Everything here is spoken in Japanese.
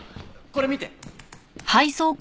これ見て。